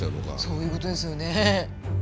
そういうことですよね。